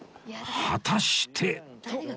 果たして